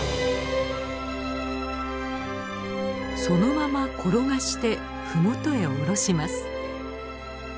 そのまま転がしてふもとへおろします。